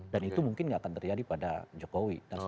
dan itu mungkin gak akan terjadi pada jokowi